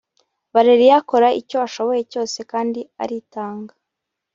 Valeria akora icyo ashoboye cyose kandi aritanga